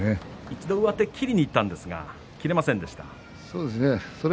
一度、上手を切りにいったんですが切れませんでした。